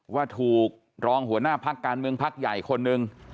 ว่าถูกรองหัวหน้าพักการเมืองพักใหญ่คนหนึ่ง